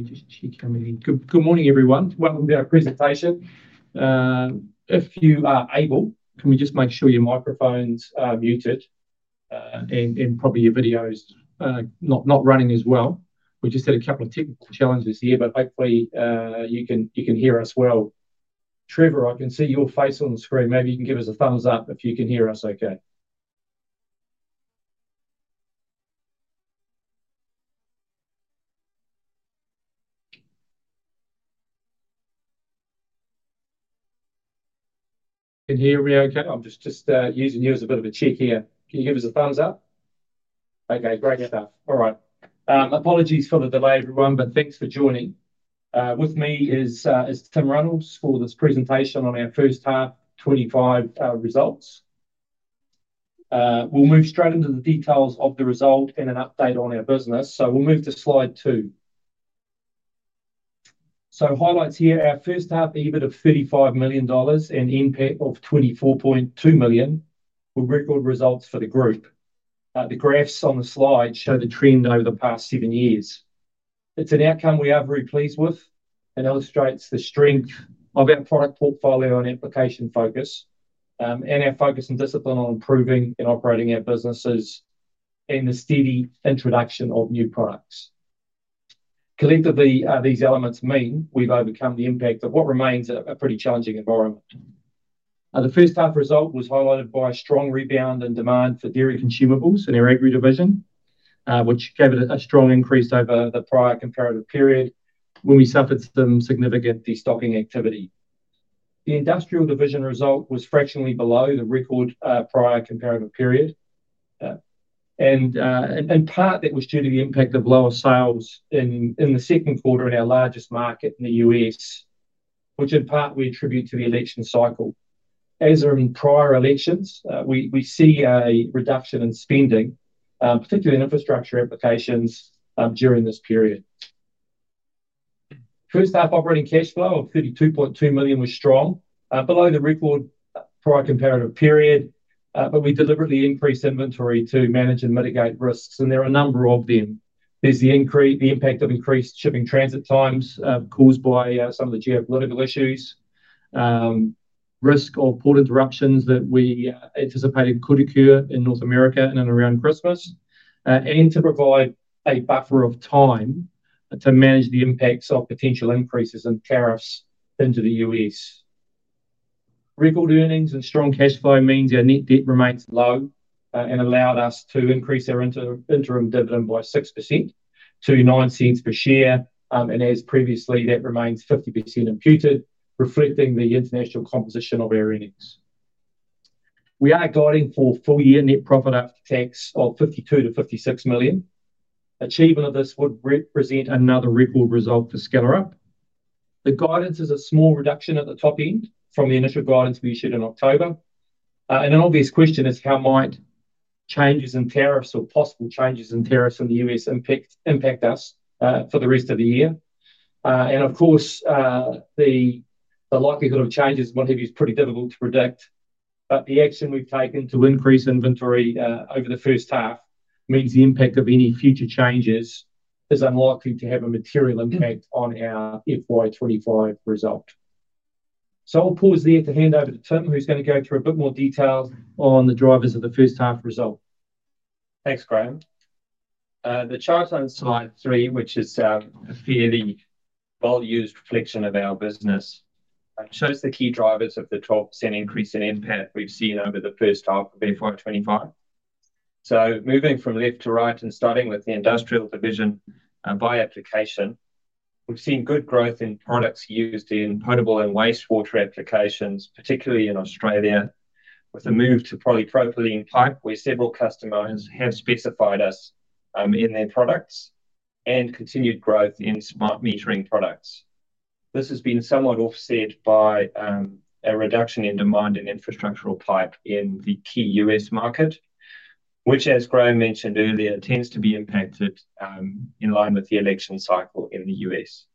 We just checked how many. Good morning, everyone. Welcome to our presentation. If you are able, can we just make sure your microphones are muted and probably your videos not running as well? We just had a couple of technical challenges here, but hopefully you can hear us well. Trevor, I can see your face on the screen. Maybe you can give us a thumbs up if you can hear us okay. Can you hear me okay? I'm just using you as a bit of a check here. Can you give us a thumbs up? Okay, great stuff. All right. Apologies for the delay, everyone, but thanks for joining. With me is Tim Runnalls for this presentation on our first half, 2025 results. We'll move straight into the details of the result and an update on our business. So we'll move to slide two. So, highlights here: our first half EBIT of $35 million and NPAT of $24.2 million are record results for the group. The graphs on the slide show the trend over the past seven years. It's an outcome we are very pleased with and illustrates the strength of our product portfolio and application focus, and our focus and discipline on improving and operating our businesses and the steady introduction of new products. Collectively, these elements mean we've overcome the impact of what remains a pretty challenging environment. The first half result was highlighted by a strong rebound in demand for dairy consumables in our Agri Division, which gave it a strong increase over the prior comparative period when we suffered some significant destocking activity. The Industrial Division result was fractionally below the record prior comparative period. In part, that was due to the impact of lower sales in the second quarter in our largest market in the U.S., which in part we attribute to the election cycle. As in prior elections, we see a reduction in spending, particularly in infrastructure applications during this period. First half operating cash flow of 32.2 million was strong, below the record prior comparative period, but we deliberately increased inventory to manage and mitigate risks, and there are a number of them. There's the impact of increased shipping transit times caused by some of the geopolitical issues, risk of port interruptions that we anticipated could occur in North America and around Christmas, and to provide a buffer of time to manage the impacts of potential increases in tariffs into the U.S. Record earnings and strong cash flow means our net debt remains low and allowed us to increase our interim dividend by 6% to 0.09 per share. As previously, that remains 50% imputed, reflecting the international composition of our earnings. We are guiding for full year net profit after tax of 52-56 million. Achievement of this would represent another record result for Skellerup. The guidance is a small reduction at the top end from the initial guidance we issued in October. An obvious question is how might changes in tariffs or possible changes in tariffs in the U.S. impact us for the rest of the year? Of course, the likelihood of changes might be pretty difficult to predict, but the action we've taken to increase inventory over the first half means the impact of any future changes is unlikely to have a material impact on our FY25 result. I'll pause there to hand over to Tim, who's going to go through a bit more detail on the drivers of the first half result. Thanks, Graham. The chart on slide three, which is a fairly well-used reflection of our business, shows the key drivers of the 12% increase in NPAT we've seen over the first half of FY25. So moving from left to right and starting with the Industrial Division by application, we've seen good growth in products used in potable and wastewater applications, particularly in Australia, with a move to polypropylene pipe where several customers have specified us in their products and continued growth in smart metering products. This has been somewhat offset by a reduction in demand in infrastructural pipe in the key U.S. market, which, as Graham mentioned earlier, tends to be impacted in line with the election cycle in the U.S..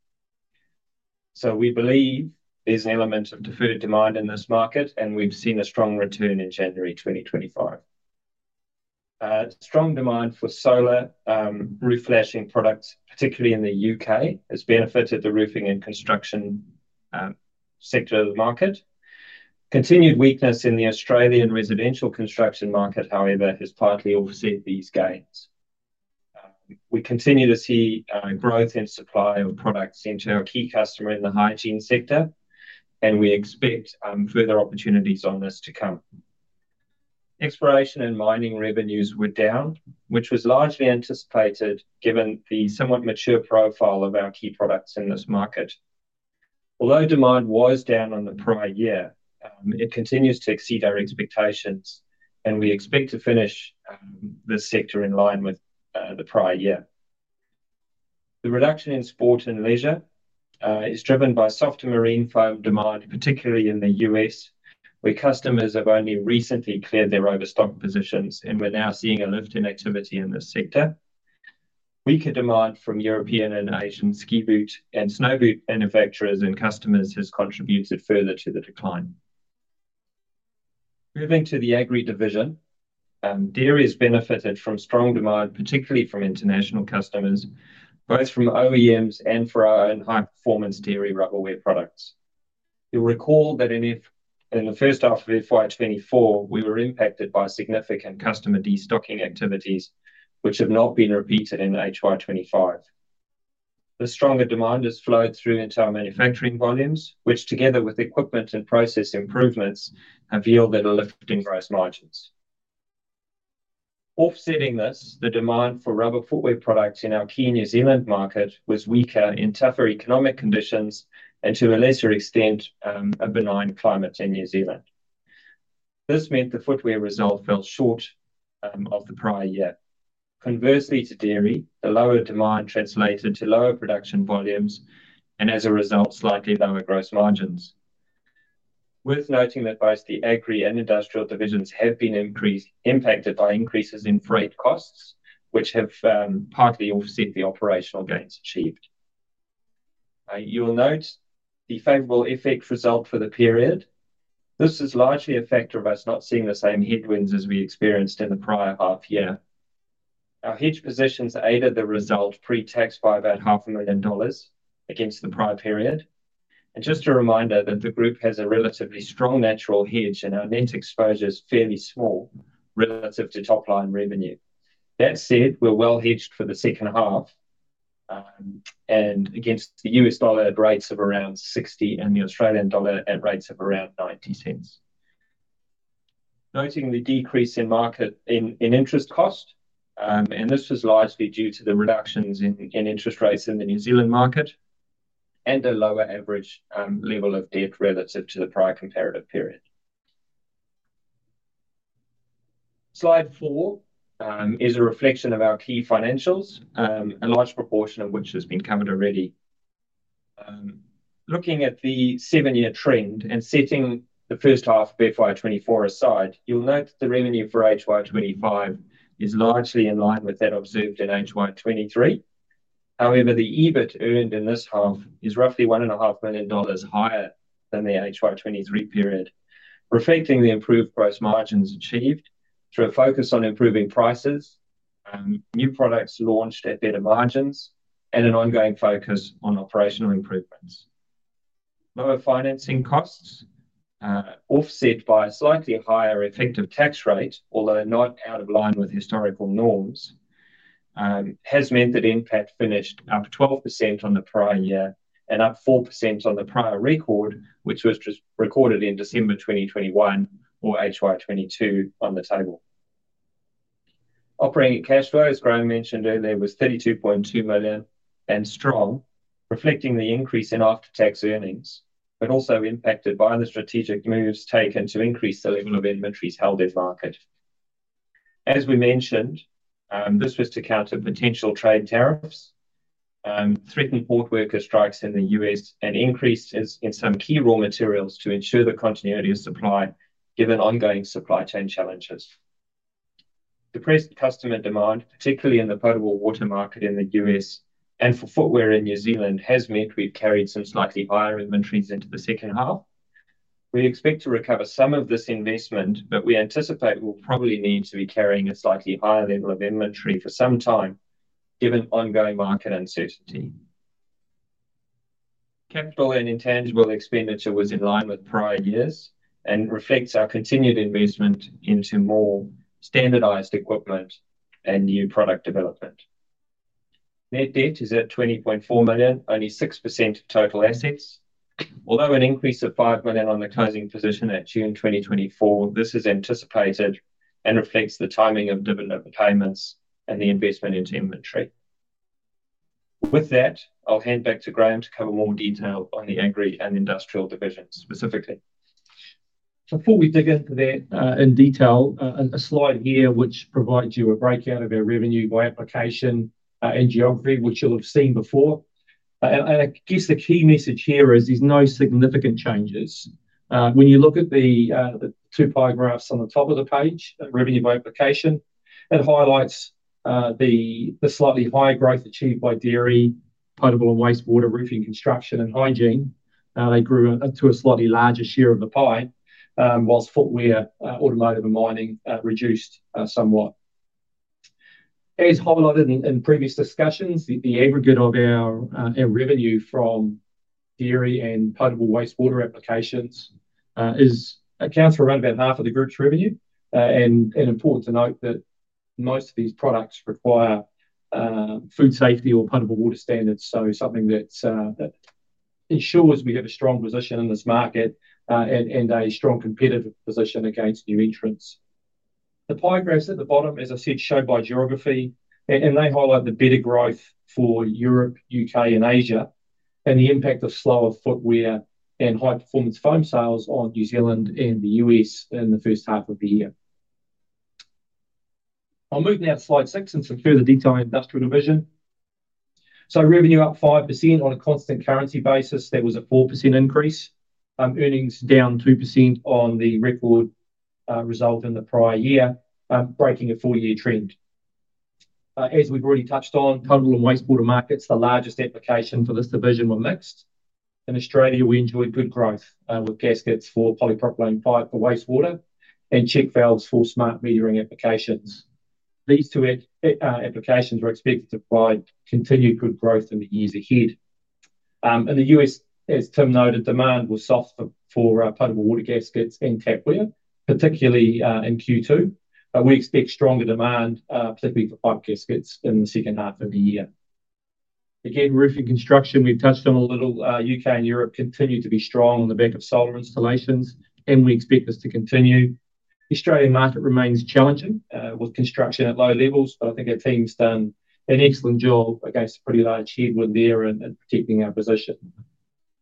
So we believe there's an element of deferred demand in this market, and we've seen a strong return in January 2025. Strong demand for solar roof flashing products, particularly in the U.K., has benefited the roofing and construction sector of the market. Continued weakness in the Australian residential construction market, however, has partly offset these gains. We continue to see growth in supply of products into our key customer in the hygiene sector, and we expect further opportunities on this to come. Exploration and mining revenues were down, which was largely anticipated given the somewhat mature profile of our key products in this market. Although demand was down on the prior year, it continues to exceed our expectations, and we expect to finish this sector in line with the prior year. The reduction in sport and leisure is driven by softer marine foam demand, particularly in the U.S., where customers have only recently cleared their overstock positions, and we're now seeing a lift in activity in this sector. Weaker demand from European and Asian ski boot and snow boot manufacturers and customers has contributed further to the decline. Moving to the Agri Division, Dairy has benefited from strong demand, particularly from international customers, both from OEMs and for our own high-performance dairy rubberware products. You'll recall that in the first half of FY24, we were impacted by significant customer destocking activities, which have not been repeated in HY25. The stronger demand has flowed through into our manufacturing volumes, which, together with equipment and process improvements, have yielded a lift in gross margins. Offsetting this, the demand for rubber footwear products in our key New Zealand market was weaker in tougher economic conditions and, to a lesser extent, a benign climate in New Zealand. This meant the footwear result fell short of the prior year. Conversely to dairy, the lower demand translated to lower production volumes and, as a result, slightly lower gross margins. Worth noting that both the Agri and Industrial divisions have been impacted by increases in freight costs, which have partly offset the operational gains achieved. You'll note the favorable FX result for the period. This is largely a factor of us not seeing the same headwinds as we experienced in the prior half year. Our hedge positions aided the result pre-tax by about $500,000 against the prior period. And just a reminder that the group has a relatively strong natural hedge and our net exposure is fairly small relative to top-line revenue. That said, we're well hedged for the second half and against the U.S. dollar at rates of around 60 and the Australian dollar at rates of around 90 cents. Noting the decrease in interest cost, and this was largely due to the reductions in interest rates in the New Zealand market and a lower average level of debt relative to the prior comparative period. Slide four is a reflection of our key financials, a large proportion of which has been covered already. Looking at the seven-year trend and setting the first half of FY24 aside, you'll note that the revenue for HY25 is largely in line with that observed in HY23. However, the EBIT earned in this half is roughly 1.5 million dollars higher than the HY23 period, reflecting the improved gross margins achieved through a focus on improving prices, new products launched at better margins, and an ongoing focus on operational improvements. Lower financing costs, offset by a slightly higher effective tax rate, although not out of line with historical norms, has meant that NPAT finished up 12% on the prior year and up 4% on the prior record, which was recorded in December 2021 or HY22 on the table. Operating cash flows, Graham mentioned earlier, was 32.2 million and strong, reflecting the increase in after-tax earnings, but also impacted by the strategic moves taken to increase the level of inventories held at market. As we mentioned, this was to counter potential trade tariffs, threatened port worker strikes in the U.S., and increases in some key raw materials to ensure the continuity of supply given ongoing supply chain challenges. Depressed customer demand, particularly in the potable water market in the U.S. and for footwear in New Zealand, has meant we've carried some slightly higher inventories into the second half. We expect to recover some of this investment, but we anticipate we'll probably need to be carrying a slightly higher level of inventory for some time given ongoing market uncertainty. Capital and intangible expenditure was in line with prior years and reflects our continued investment into more standardized equipment and new product development. Net debt is at 20.4 million, only 6% of total assets. Although an increase of 5 million on the closing position at June 2024, this is anticipated and reflects the timing of dividend payments and the investment into inventory. With that, I'll hand back to Graham to cover more detail on the Agri and Industrial divisions specifically. Before we dig into that in detail, a slide here which provides you a breakdown of our revenue by application and geography, which you'll have seen before. I guess the key message here is there's no significant changes. When you look at the two pie graphs on the top of the page, revenue by application, it highlights the slightly higher growth achieved by dairy, potable and wastewater roofing, construction, and hygiene. They grew to a slightly larger share of the pie, while footwear, automotive, and mining reduced somewhat. As highlighted in previous discussions, the aggregate of our revenue from dairy and potable wastewater applications accounts for around about half of the group's revenue. Important to note that most of these products require food safety or potable water standards, so something that ensures we have a strong position in this market and a strong competitive position against new entrants. The pie graphs at the bottom, as I said, show by geography, and they highlight the better growth for Europe, U.K., and Asia, and the impact of slower footwear and high-performance foam sales on New Zealand and the U.S. in the first half of the year. I'll move now to slide six and some further detail on Industrial Division. So revenue up 5% on a constant currency basis. There was a 4% increase. Earnings down 2% on the record result in the prior year, breaking a four-year trend. As we've already touched on, potable and wastewater markets, the largest application for this division were mixed. In Australia, we enjoyed good growth with gaskets for polypropylene pipe for wastewater and check valves for smart metering applications. These two applications were expected to provide continued good growth in the years ahead. In the U.S., as Tim noted, demand was soft for potable water gaskets and tapware, particularly in Q2. We expect stronger demand, particularly for pipe gaskets in the second half of the year. Again, roofing construction, we've touched on a little. U.K. and Europe continue to be strong on the back of solar installations, and we expect this to continue. The Australian market remains challenging with construction at low levels, but I think our team's done an excellent job against a pretty large headwind there and protecting our position.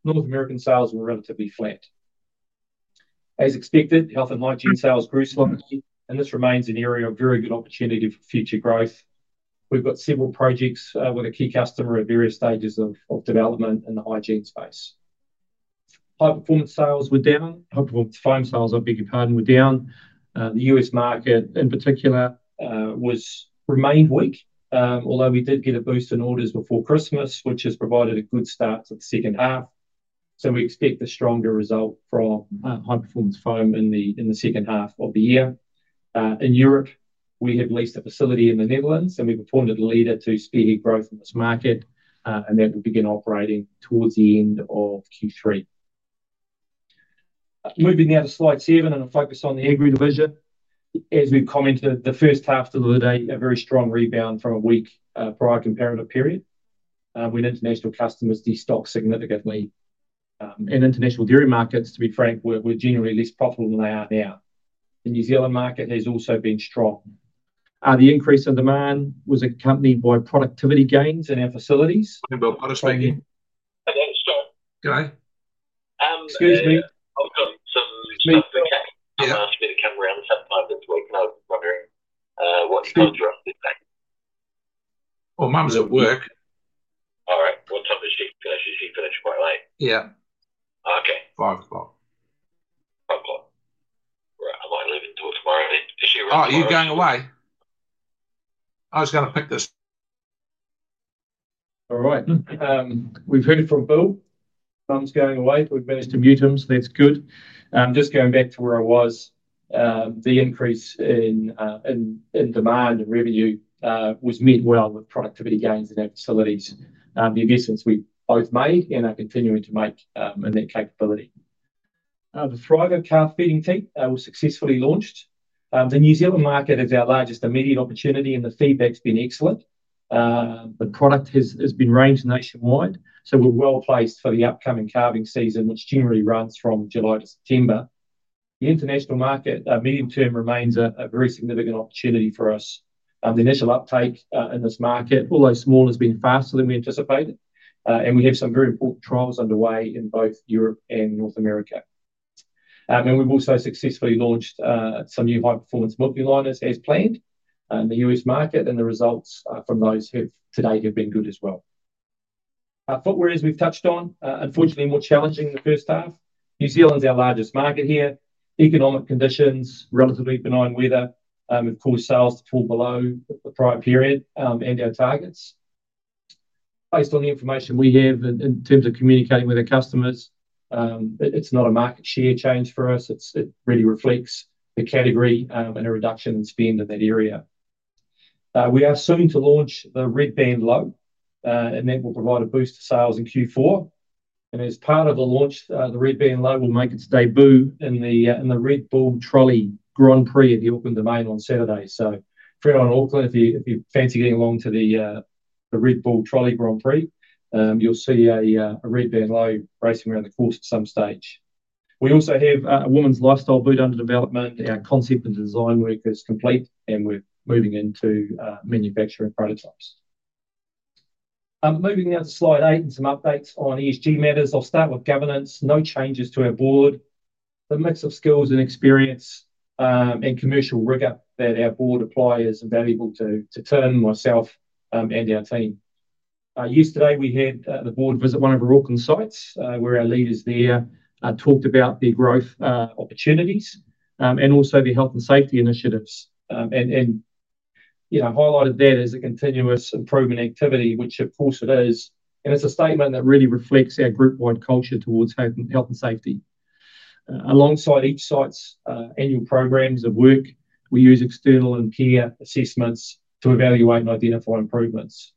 North American sales were relatively flat. As expected, health and hygiene sales grew slowly, and this remains an area of very good opportunity for future growth. We've got several projects with a key customer at various stages of development in the hygiene space. High-performance sales were down. High-performance foam sales, I beg your pardon, were down. The U.S. market in particular remained weak, although we did get a boost in orders before Christmas, which has provided a good start to the second half. We expect a stronger result from high-performance foam in the second half of the year. In Europe, we have leased a facility in the Netherlands, and we've appointed a leader to speed growth in this market, and that will begin operating towards the end of Q3. Moving now to slide seven and a focus on the Agri Division. As we've commented, the first half of the year, a very strong rebound from a weak prior comparative period when international customers destocked significantly. In international dairy markets, to be frank, we're generally less profitable than they are now. The New Zealand market has also been strong. The increase in demand was accompanied by productivity gains in our facilities. Can I speak? Sorry. Go ahead. Excuse me. So. Smith. Smith. Come around at 7:05 this week, and I was wondering what you've done for us this day. Oh, Mum's at work. All right. What time does she finish? She finished quite late. Yeah. Okay. 5 o'clock. 5 o'clock. All right. I might leave until tomorrow. Is she running away? Oh, you're going away? I was going to pick this. All right. We've heard it from Bill. Mum's going away. We've managed to mute him, so that's good. Just going back to where I was, the increase in demand and revenue was met well with productivity gains in our facilities. The investments we both made and are continuing to make in that capability. The Thriva calf feeding teat was successfully launched. The New Zealand market is our largest immediate opportunity, and the feedback's been excellent. The product has been ranged nationwide, so we're well placed for the upcoming calving season, which generally runs from July to September. The international market, medium term, remains a very significant opportunity for us. The initial uptake in this market, although small, has been faster than we anticipated, and we have some very important trials underway in both Europe and North America. We've also successfully launched some new high-performance milking liners as planned in the U.S. market, and the results from those today have been good as well. Footwear as we've touched on, unfortunately, more challenging in the first half. New Zealand's our largest market here. Economic conditions, relatively benign weather, and of course, sales fall below the prior period and our targets. Based on the information we have in terms of communicating with our customers, it's not a market share change for us. It really reflects the category and a reduction in spend in that area. We are soon to launch the Red Band Low, and that will provide a boost to sales in Q4. As part of the launch, the Red Band Low will make its debut in the Red Bull Trolley Grand Prix at the Auckland Domain on Saturday. So if you're in Auckland, if you fancy getting along to the Red Bull Trolley Grand Prix, you'll see a Red Band Low racing around the course at some stage. We also have a women's lifestyle boot under development. Our concept and design work is complete, and we're moving into manufacturing prototypes. Moving now to slide eight and some updates on ESG matters. I'll start with governance. No changes to our board. The mix of skills and experience and commercial rigor that our board apply is invaluable to Tim, myself, and our team. Yesterday, we had the board visit one of our Auckland sites where our leaders there talked about the growth opportunities and also the health and safety initiatives and highlighted that as a continuous improvement activity, which of course it is. And it's a statement that really reflects our group-wide culture towards health and safety. Alongside each site's annual programs of work, we use external and peer assessments to evaluate and identify improvements.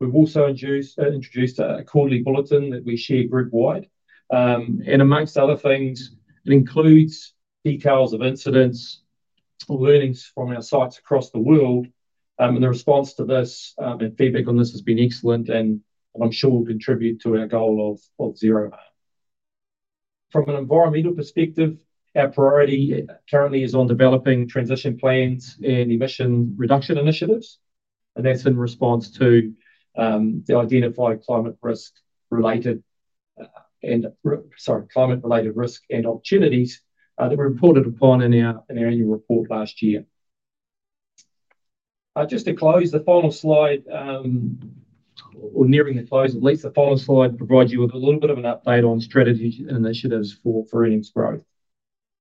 We've also introduced a quarterly bulletin that we share group-wide, and among other things, it includes details of incidents, learnings from our sites across the world, and the response to this and feedback on this has been excellent, and I'm sure will contribute to our goal of zero harm. From an environmental perspective, our priority currently is on developing transition plans and emission reduction initiatives, and that's in response to the identified climate risk related and sorry, climate-related risk and opportunities that were reported upon in our annual report last year. Just to close, the final slide, or nearing the close, at least the final slide provides you with a little bit of an update on strategies and initiatives for earnings growth.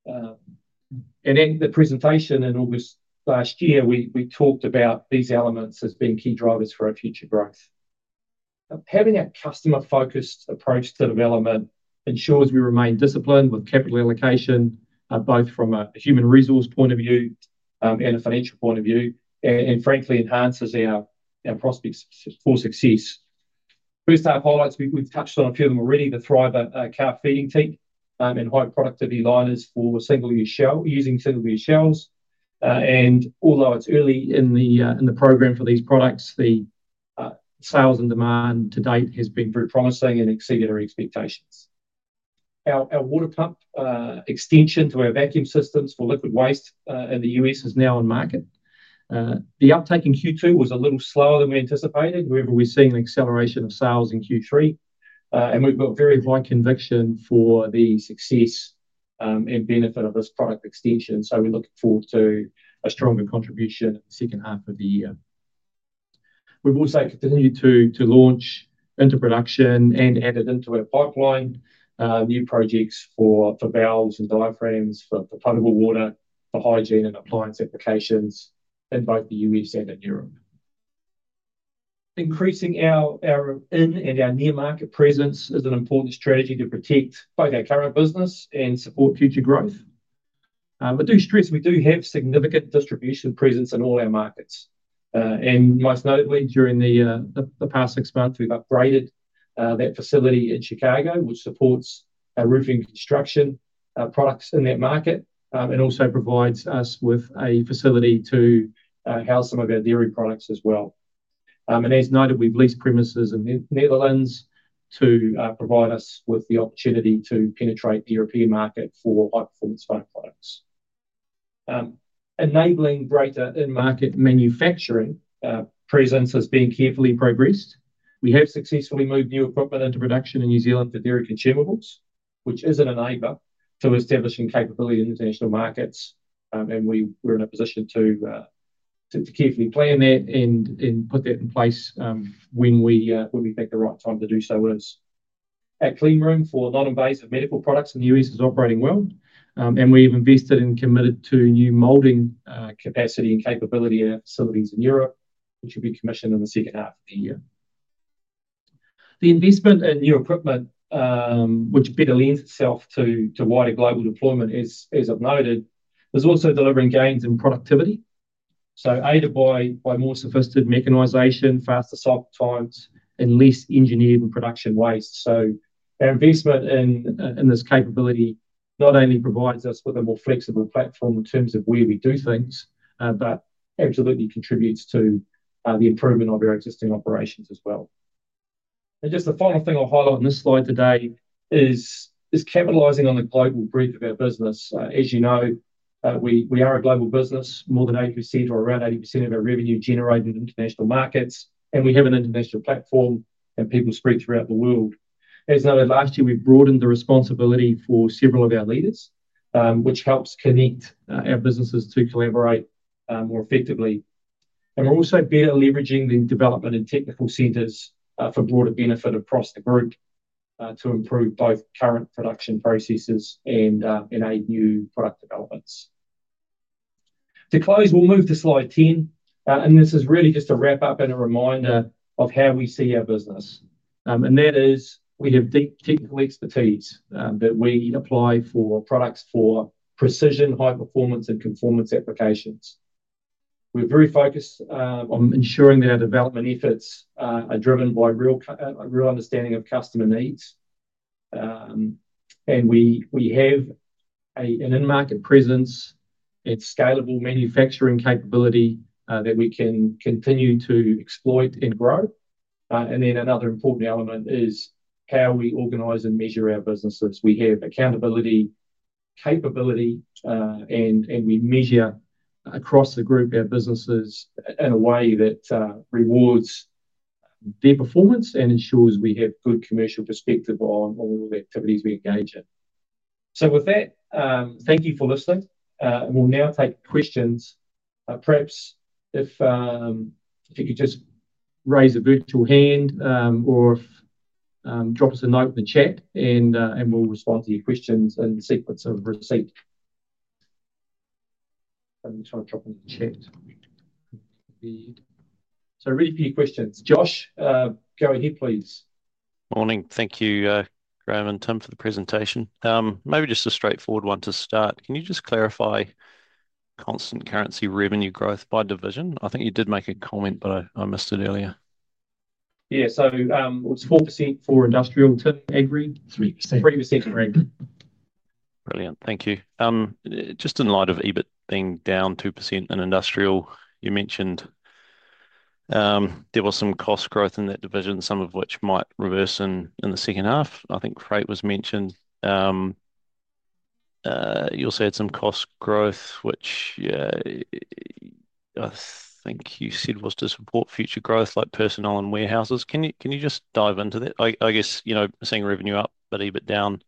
In the presentation in August last year, we talked about these elements as being key drivers for our future growth. Having a customer-focused approach to development ensures we remain disciplined with capital allocation, both from a human resource point of view and a financial point of view, and frankly, enhances our prospects for success. First half highlights, we've touched on a few of them already, the Thriva calf feeding teats and high productivity liners for single-use shells using single-use shells. Although it's early in the program for these products, the sales and demand to date has been very promising and exceeded our expectations. Our water pump extension to our vacuum systems for liquid waste in the U.S. is now on market. The uptake in Q2 was a little slower than we anticipated, however, we're seeing an acceleration of sales in Q3. And we've got very high conviction for the success and benefit of this product extension. So we're looking forward to a stronger contribution in the second half of the year. We've also continued to launch into production and added into our pipeline new projects for valves and diaphragms for potable water for hygiene and appliance applications in both the U.S. and in Europe. Increasing our in and our near-market presence is an important strategy to protect both our current business and support future growth. I do stress we do have significant distribution presence in all our markets. And most notably, during the past six months, we've upgraded that facility in Chicago, which supports roofing construction products in that market and also provides us with a facility to house some of our dairy products as well. As noted, we've leased premises in the Netherlands to provide us with the opportunity to penetrate the European market for high-performance foam products. Enabling greater in-market manufacturing presence has been carefully progressed. We have successfully moved new equipment into production in New Zealand for dairy consumables, which is an enabler to establishing capability in international markets. We're in a position to carefully plan that and put that in place when we think the right time to do so is. Our clean room for non-invasive medical products in the U.S. is operating well. We have invested and committed to new moulding capacity and capability in our facilities in Europe, which will be commissioned in the second half of the year. The investment in new equipment, which better lends itself to wider global deployment, as I've noted, is also delivering gains in productivity. So aided by more sophisticated mechanization, faster cycle times, and less engineered and production waste. So our investment in this capability not only provides us with a more flexible platform in terms of where we do things, but absolutely contributes to the improvement of our existing operations as well. And just the final thing I'll highlight on this slide today is capitalizing on the global breadth of our business. As you know, we are a global business. More than 80% or around 80% of our revenue generated in international markets. And we have an international platform and people spread throughout the world. As noted, last year, we broadened the responsibility for several of our leaders, which helps connect our businesses to collaborate more effectively. We're also better leveraging the development and technical centers for broader benefit across the group to improve both current production processes and aid new product developments. To close, we'll move to slide 10. This is really just a wrap-up and a reminder of how we see our business. That is we have deep technical expertise that we apply for products for precision, high performance, and conformance applications. We're very focused on ensuring that our development efforts are driven by real understanding of customer needs. We have an in-market presence and scalable manufacturing capability that we can continue to exploit and grow. Another important element is how we organize and measure our businesses. We have accountability, capability, and we measure across the group our businesses in a way that rewards their performance and ensures we have good commercial perspective on all the activities we engage in, so with that, thank you for listening, and we'll now take questions. Perhaps if you could just raise a virtual hand or drop us a note in the chat, and we'll respond to your questions in sequence of receipt. Let me try to drop them in the chat, so really a few questions. Josh, go ahead, please. Morning. Thank you, Graham and Tim, for the presentation. Maybe just a straightforward one to start. Can you just clarify constant currency revenue growth by division? I think you did make a comment, but I missed it earlier. Yeah. So it's 4% for Industrial to Agri. 3%. 3% for Agri. Brilliant. Thank you. Just in light of EBIT being down 2% in Industrial, you mentioned there was some cost growth in that division, some of which might reverse in the second half. I think freight was mentioned. You also had some cost growth, which I think you said was to support future growth like personnel and warehouses. Can you just dive into that? I guess seeing revenue up, but EBIT down,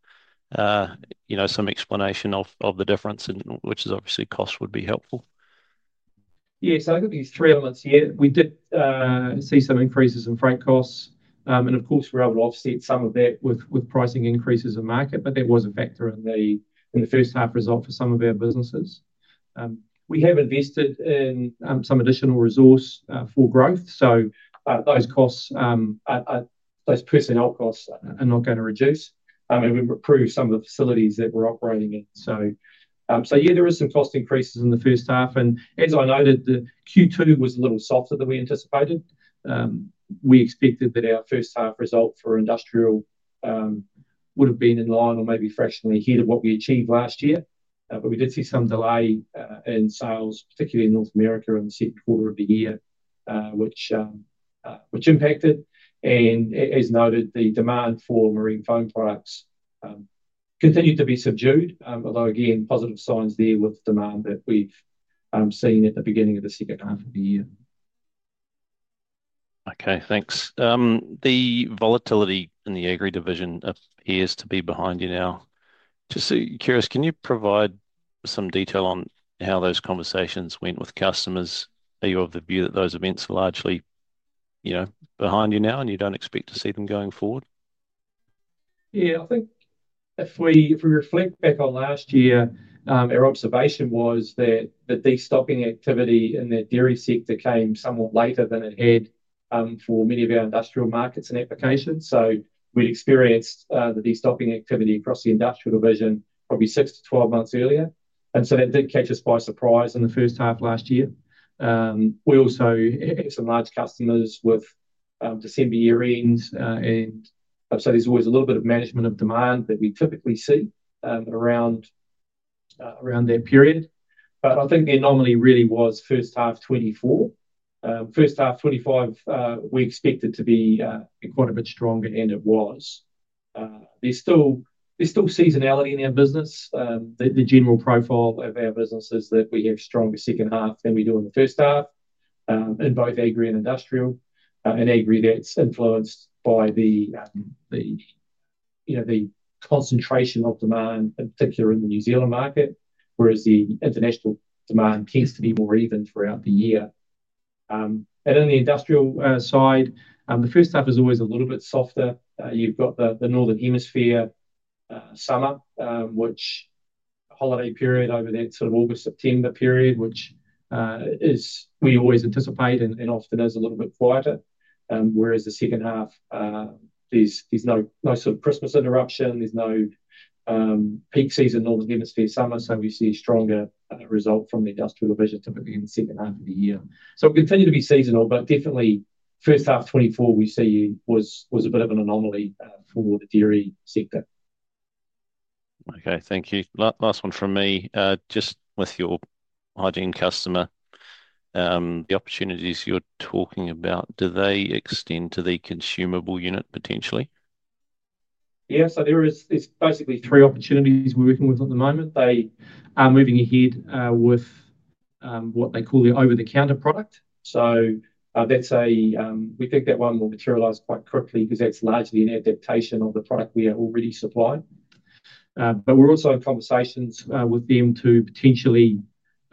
some explanation of the difference, which is obviously cost, would be helpful. Yes. I think there's three elements here. We did see some increases in freight costs. And of course, we're able to offset some of that with pricing increases in market, but that was a factor in the first half result for some of our businesses. We have invested in some additional resource for growth. So those personnel costs are not going to reduce. And we've improved some of the facilities that we're operating in. So yeah, there were some cost increases in the first half. And as I noted, Q2 was a little softer than we anticipated. We expected that our first half result for industrial would have been in line or maybe fractionally ahead of what we achieved last year. But we did see some delay in sales, particularly in North America in the second quarter of the year, which impacted. As noted, the demand for marine foam products continued to be subdued, although again, positive signs there with demand that we've seen at the beginning of the second half of the year. Okay. Thanks. The volatility in the Agri Division appears to be behind you now. Just curious, can you provide some detail on how those conversations went with customers? Are you of the view that those events are largely behind you now and you don't expect to see them going forward? Yeah. I think if we reflect back on last year, our observation was that the destocking activity in the dairy sector came somewhat later than it had for many of our industrial markets and applications. So we'd experienced the destocking activity across the Industrial Division probably six to 12 months earlier. And so that did catch us by surprise in the first half last year. We also had some large customers with December year-end. And so there's always a little bit of management of demand that we typically see around that period. But I think the anomaly really was first half 2024. First half 2025, we expected to be quite a bit stronger, and it was. There's still seasonality in our business. The general profile of our business is that we have stronger second half than we do in the first half in both Agri and Industrial. In Agri, that's influenced by the concentration of demand, in particular in the New Zealand market, whereas the international demand tends to be more even throughout the year. And in the industrial side, the first half is always a little bit softer. You've got the northern hemisphere summer, which holiday period over that sort of August, September period, which we always anticipate and often is a little bit quieter. Whereas the second half, there's no sort of Christmas interruption. There's no peak season in the northern hemisphere summer. So we see a stronger result from the Industrial Division typically in the second half of the year. So we continue to be seasonal, but definitely first half 2024 we see was a bit of an anomaly for the dairy sector. Okay. Thank you. Last one from me. Just with your hygiene customer, the opportunities you're talking about, do they extend to the consumable unit potentially? Yeah. So there are basically three opportunities we're working with at the moment. They are moving ahead with what they call the over-the-counter product. So we think that one will materialize quite quickly because that's largely an adaptation of the product we are already supplying. But we're also in conversations with them to potentially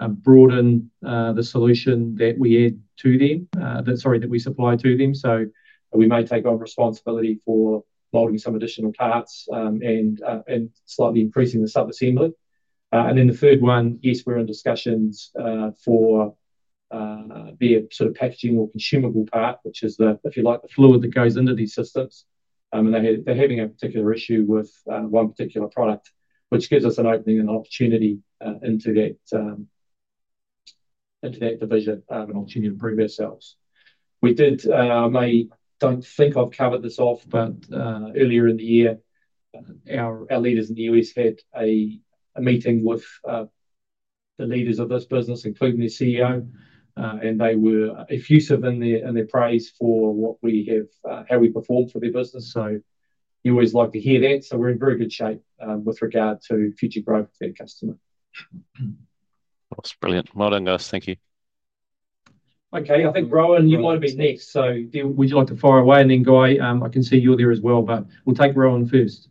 broaden the solution that we add to them, sorry, that we supply to them. So we may take on responsibility for molding some additional parts and slightly increasing the sub-assembly. And then the third one, yes, we're in discussions for their sort of packaging or consumable part, which is, if you like, the fluid that goes into these systems. And they're having a particular issue with one particular product, which gives us an opening and an opportunity into that division and an opportunity to improve ourselves. We did. I don't think I've covered this off, but earlier in the year, our leaders in the U.S. had a meeting with the leaders of this business, including the CEO, and they were effusive in their praise for how we perform for their business, so you always like to hear that, so we're in very good shape with regard to future growth for that customer. That was brilliant. Well done, guys. Thank you. Okay. I think Rowan, you might have been next. So would you like to fire away and then go? I can see you're there as well, but we'll take Rowan first.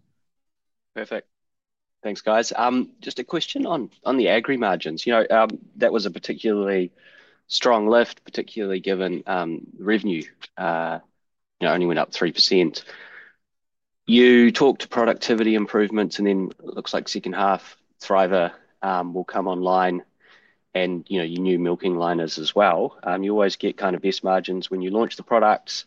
Perfect. Thanks, guys. Just a question on the Agri margins. That was a particularly strong lift, particularly given revenue only went up 3%. You talked to productivity improvements, and then it looks like second half Thriva will come online and your new milking liners as well. You always get kind of best margins when you launch the products.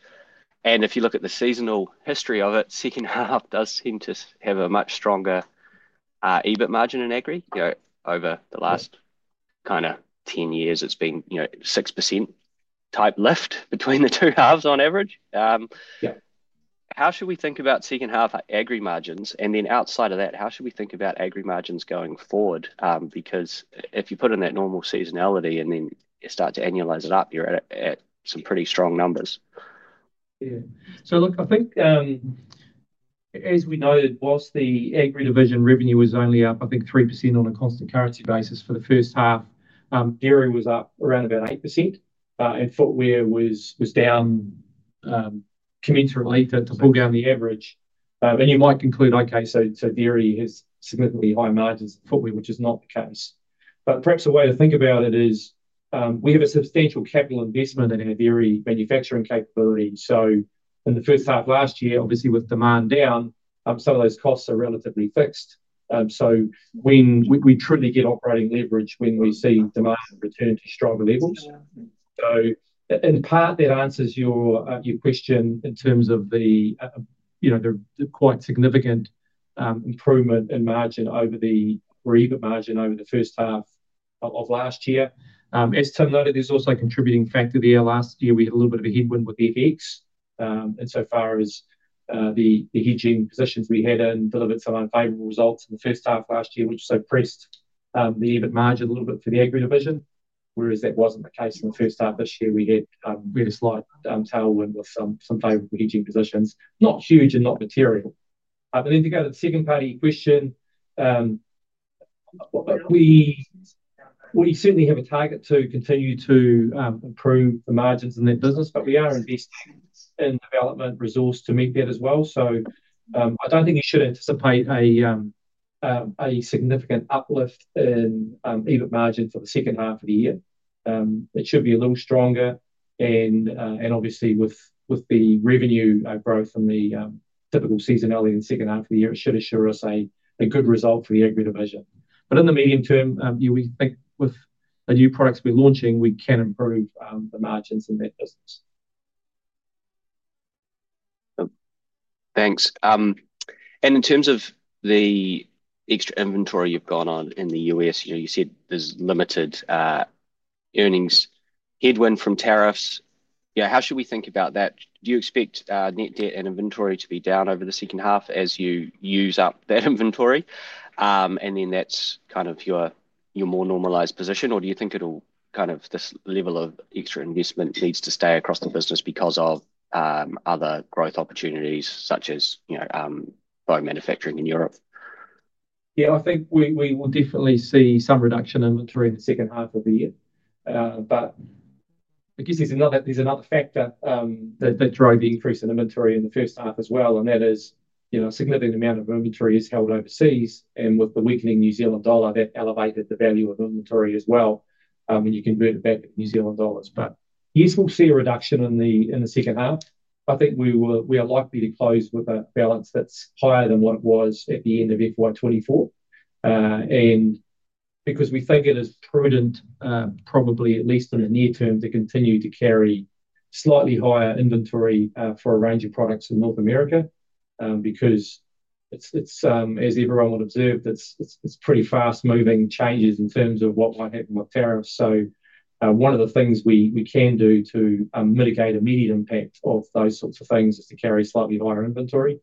And if you look at the seasonal history of it, second half does seem to have a much stronger EBIT margin in Agri over the last kind of 10 years. It's been 6% type lift between the two halves on average. How should we think about second half Agri margins? And then outside of that, how should we think about Agri margins going forward? Because if you put in that normal seasonality and then you start to annualize it up, you're at some pretty strong numbers. Yeah. So look, I think as we noted, while the Agri Division revenue was only up, I think, 3% on a constant currency basis for the first half, dairy was up around about 8%. And footwear was down commensurately to pull down the average. And you might conclude, okay, so dairy has significantly higher margins than footwear, which is not the case. But perhaps a way to think about it is we have a substantial capital investment in our dairy manufacturing capability. So in the first half last year, obviously, with demand down, some of those costs are relatively fixed. So we truly get operating leverage when we see demand return to stronger levels. So in part, that answers your question in terms of the quite significant improvement in margin over the reported margin over the first half of last year. As Tim noted, there's also a contributing factor there. Last year, we had a little bit of a headwind with FX. And so far as the hedging positions we had and delivered some unfavorable results in the first half last year, which sort of pressed the EBIT margin a little bit for the Agri Division, whereas that wasn't the case in the first half this year. We had a slight tailwind with some favorable hedging positions. Not huge and not material. And then to go to the second part question, we certainly have a target to continue to improve the margins in that business, but we are investing in development resource to meet that as well. So I don't think you should anticipate a significant uplift in EBIT margin for the second half of the year. It should be a little stronger. And obviously, with the revenue growth and the typical seasonality in the second half of the year, it should assure us a good result for the Agri Division. But in the medium term, we think with the new products we're launching, we can improve the margins in that business. Thanks. And in terms of the extra inventory you've got on in the U.S., you said there's limited earnings headwind from tariffs. Yeah, how should we think about that? Do you expect net debt and inventory to be down over the second half as you use up that inventory? And then that's kind of your more normalized position, or do you think it'll kind of this level of extra investment needs to stay across the business because of other growth opportunities such as biomanufacturing in Europe? Yeah, I think we will definitely see some reduction in inventory in the second half of the year. But I guess there's another factor that drove the increase in inventory in the first half as well. And that is a significant amount of inventory is held overseas. And with the weakening New Zealand dollar, that elevated the value of inventory as well when you convert it back to New Zealand dollars. But yes, we'll see a reduction in the second half. I think we are likely to close with a balance that's higher than what it was at the end of FY24. And because we think it is prudent, probably at least in the near term, to continue to carry slightly higher inventory for a range of products in North America because, as everyone would observe, it's pretty fast-moving changes in terms of what might happen with tariffs. So one of the things we can do to mitigate immediate impact of those sorts of things is to carry slightly higher inventory.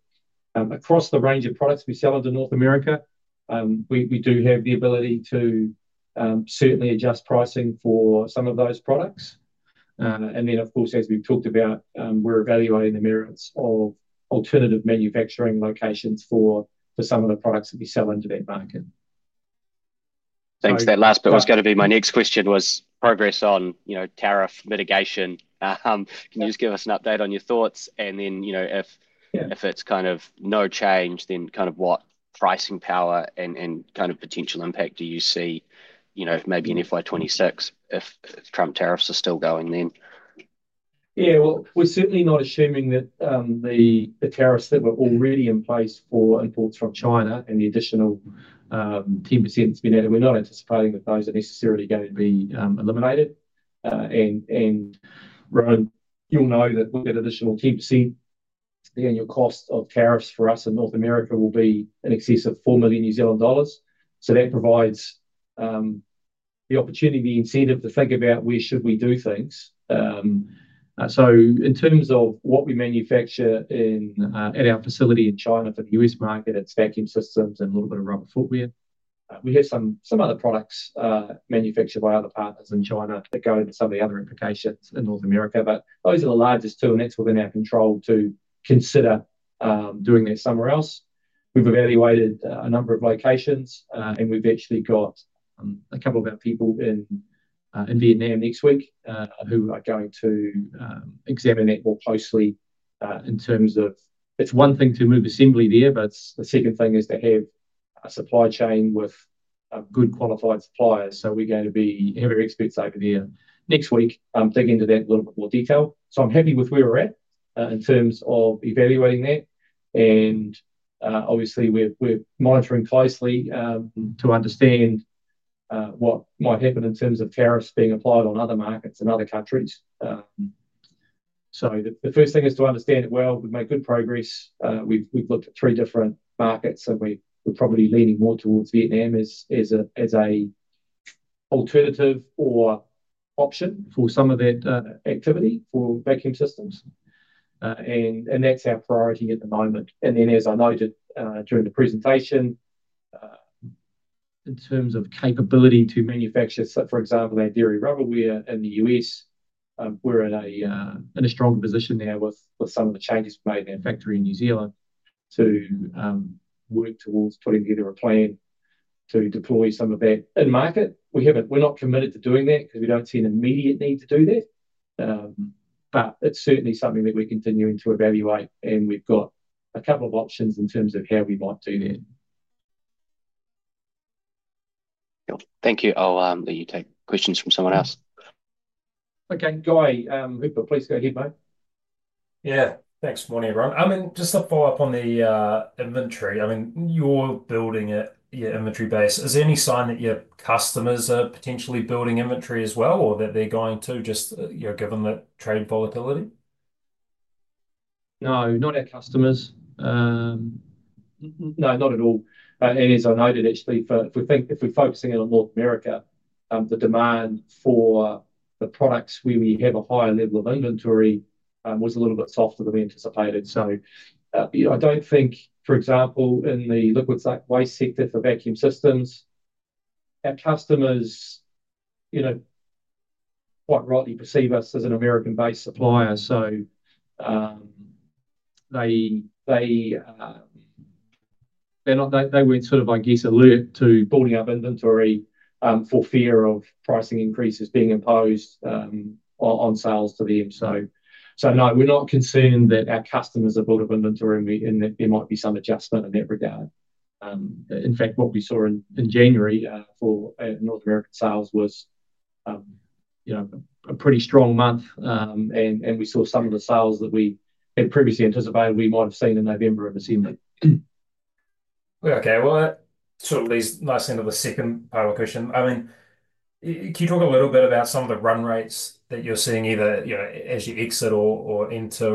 Across the range of products we sell into North America, we do have the ability to certainly adjust pricing for some of those products. And then, of course, as we've talked about, we're evaluating the merits of alternative manufacturing locations for some of the products that we sell into that market. Thanks. That last bit was going to be my next question was progress on tariff mitigation. Can you just give us an update on your thoughts? And then if it's kind of no change, then kind of what pricing power and kind of potential impact do you see maybe in FY26 if Trump tariffs are still going then? Yeah. Well, we're certainly not assuming that the tariffs that were already in place for imports from China and the additional 10% that's been added. We're not anticipating that those are necessarily going to be eliminated. And Rowan, you'll know that with that additional 10%, the annual cost of tariffs for us in North America will be in excess of 4 million New Zealand dollars. So that provides the opportunity, the incentive to think about where should we do things. So in terms of what we manufacture at our facility in China for the U.S. market, it's vacuum systems and a little bit of rubber footwear. We have some other products manufactured by other partners in China that go into some of the other applications in North America. But those are the largest two, and that's within our control to consider doing that somewhere else. We've evaluated a number of locations, and we've actually got a couple of our people in Vietnam next week who are going to examine that more closely in terms of it's one thing to move assembly there, but the second thing is to have a supply chain with good qualified suppliers. So we're going to be having our experts over there next week dig into that in a little bit more detail. So I'm happy with where we're at in terms of evaluating that. And obviously, we're monitoring closely to understand what might happen in terms of tariffs being applied on other markets in other countries. So the first thing is to understand it well. We've made good progress. We've looked at three different markets, and we're probably leaning more towards Vietnam as an alternative or option for some of that activity for vacuum systems. And that's our priority at the moment. And then, as I noted during the presentation, in terms of capability to manufacture, for example, our dairy rubberware in the U.S., we're in a stronger position now with some of the changes we've made in our factory in New Zealand to work towards putting together a plan to deploy some of that in market. We're not committed to doing that because we don't see an immediate need to do that. But it's certainly something that we're continuing to evaluate, and we've got a couple of options in terms of how we might do that. Thank you. I'll let you take questions from someone else. Okay. Guy Hooper, please go ahead, mate. Yeah. Good morning, everyone. I mean, just to follow up on the inventory, I mean, you're building your inventory base. Is there any sign that your customers are potentially building inventory as well or that they're going to, just given the trade volatility? No, not our customers. No, not at all. And as I noted, actually, if we're focusing in on North America, the demand for the products where we have a higher level of inventory was a little bit softer than we anticipated. So I don't think, for example, in the liquid waste sector for vacuum systems, our customers quite rightly perceive us as an American-based supplier. So they weren't sort of, I guess, alert to building up inventory for fear of pricing increases being imposed on sales to them. So no, we're not concerned that our customers are built up inventory and there might be some adjustment in that regard. In fact, what we saw in January for North American sales was a pretty strong month, and we saw some of the sales that we had previously anticipated we might have seen in November or December. Okay. Well, to address the second part of the question. I mean, can you talk a little bit about some of the run rates that you're seeing either as you exit or enter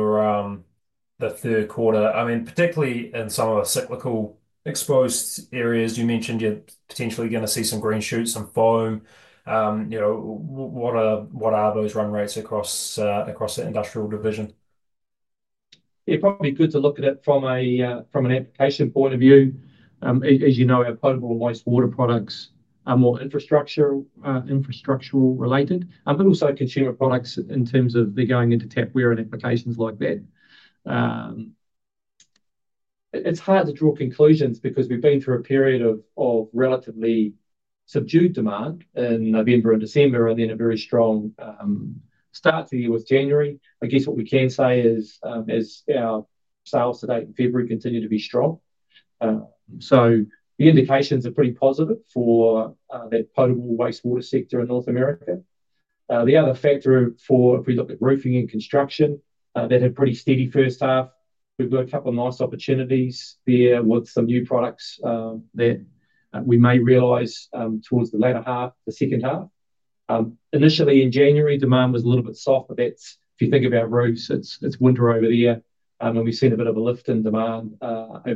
the third quarter? I mean, particularly in some of the cyclical exposed areas, you mentioned you're potentially going to see some green shoots, some foam. What are those run rates across the Industrial Division? It'd probably be good to look at it from an application point of view. As you know, our potable and wastewater products are more infrastructure-related, but also consumer products in terms of they're going into tapware and applications like that. It's hard to draw conclusions because we've been through a period of relatively subdued demand in November and December and then a very strong start to the year with January. I guess what we can say is our sales today in February continue to be strong. So the indications are pretty positive for that potable wastewater sector in North America. The other factor for, if we look at roofing and construction, that had pretty steady first half. We've got a couple of nice opportunities there with some new products that we may realize towards the latter half, the second half. Initially in January, demand was a little bit soft, but if you think about roofs, it's winter over there, and we've seen a bit of a lift in demand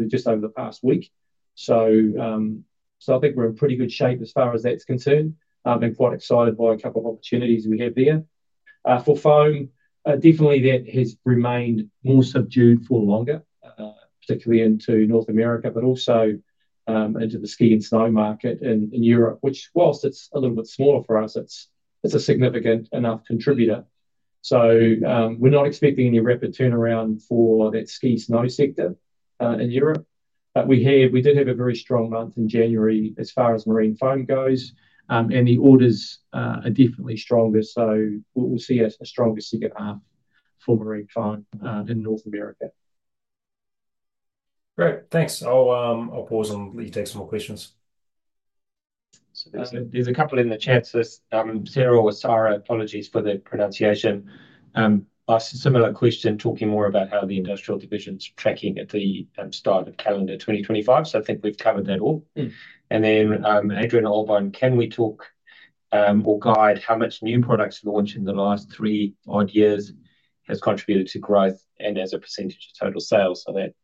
just over the past week. So I think we're in pretty good shape as far as that's concerned. I've been quite excited by a couple of opportunities we have there. For foam, definitely that has remained more subdued for longer, particularly into North America, but also into the ski and snow market in Europe, which, whilst it's a little bit smaller for us, it's a significant enough contributor. So we're not expecting any rapid turnaround for that ski snow sector in Europe. But we did have a very strong month in January as far as marine foam goes, and the orders are definitely stronger. So we'll see a stronger second half for marine foam in North America. Great. Thanks. I'll pause and let you take some more questions. There's a couple in the chat. So, Sara or Tara, apologies for the pronunciation. Similar question, talking more about how the Industrial Division's tracking at the start of calendar 2025. So I think we've covered that all. And then Adrian Allbon, can we talk or guide how much new products launched in the last three odd years has contributed to growth and as a percentage of total sales? So that.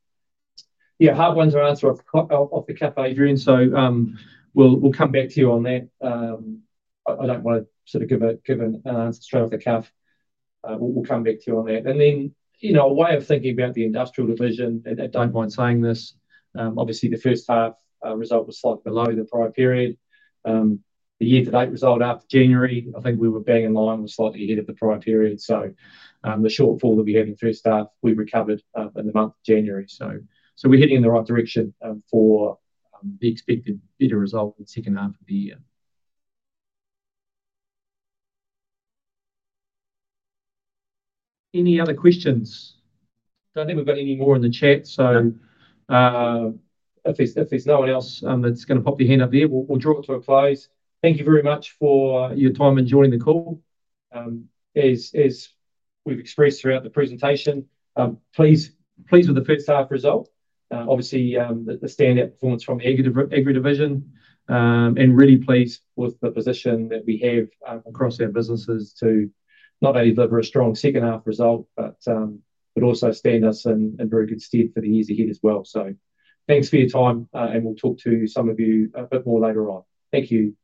Yeah, hard ones are answered off the cuff, Adrian. So we'll come back to you on that. I don't want to sort of give an answer straight off the cuff. We'll come back to you on that. And then a way of thinking about the Industrial Division, and I don't mind saying this, obviously the first half result was slightly below the prior period. The year-to-date result after January, I think we were banging along, was slightly ahead of the prior period. So the shortfall that we had in the first half, we recovered in the month of January. So we're heading in the right direction for the expected better result in the second half of the year. Any other questions? Don't think we've got any more in the chat. So if there's no one else that's going to pop their hand up there, we'll draw it to a close. Thank you very much for your time and joining the call. As we've expressed throughout the presentation, pleased with the first half result, obviously the standout performance from the Agri Division, and really pleased with the position that we have across our businesses to not only deliver a strong second half result, but also stand us in very good stead for the years ahead as well. So thanks for your time, and we'll talk to some of you a bit more later on. Thank you.